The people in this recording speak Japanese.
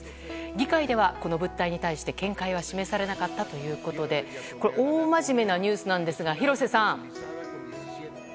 議会ではこの物体に対して見解は示されなかったということで大真面なニュースなんですが廣瀬さん。